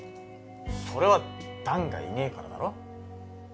それは弾がいねえからだろ